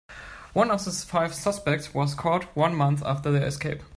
One of the five suspects was caught one month after their escape.